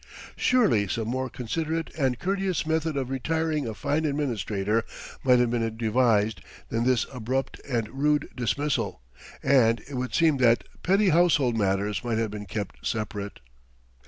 Surely some more considerate and courteous method of retiring a fine administrator might have been devised than this abrupt and rude dismissal, and it would seem that petty household matters might have been kept separate.